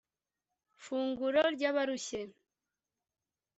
funguro ry'abarushye